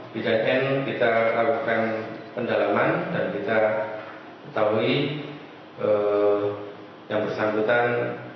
bidan n kita lakukan pendalaman dan kita ketahui yang bersambutan